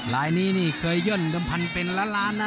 ลายนี้นี่เคยย่อนเดิมพันเป็นล้านล้านนะ